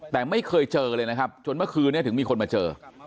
แต่ไม่เคยเจอเลยนะครับจนเมื่อคืนนี้ถึงมีคนมาเจอ